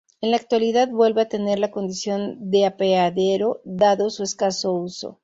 En la actualidad vuelve a tener la condición de apeadero dado su escaso uso.